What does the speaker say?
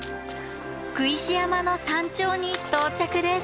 工石山の山頂に到着です！